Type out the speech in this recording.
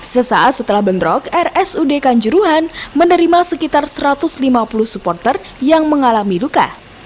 sesaat setelah bentrok rsud kanjuruhan menerima sekitar satu ratus lima puluh supporter yang mengalami luka